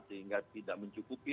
sehingga tidak mencukupi